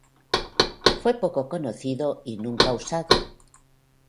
Fue poco conocido y nunca usado.